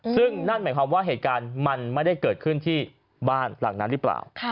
ซึ่งนั่นหมายความว่าเหตุการณ์มันไม่ได้เกิดขึ้นที่บ้านหลังนั้นหรือเปล่า